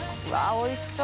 おいしそう。